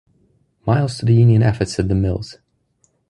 Miles to the union efforts at the mills.